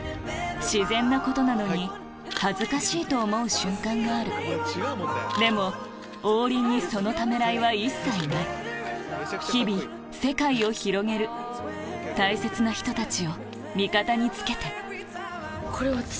自然なことなのに恥ずかしいと思う瞬間があるでも王林にそのためらいは一切ない日々世界を広げる大切な人たちを味方につけてこれ私？